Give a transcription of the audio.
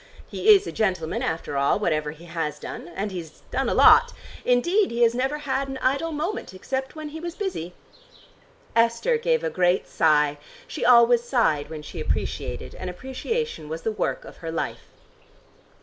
He is a gentleman after all, whatever he has done. And he's done a lot. Indeed he has never had an idle moment, except when he was busy!" Esther gave a great sigh: she always sighed when she appreciated, and appreciation was the work of her life.